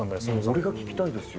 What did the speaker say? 俺が聞きたいですよ。